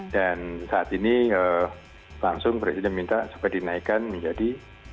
dan saat ini langsung presiden minta supaya dinaikkan menjadi dua puluh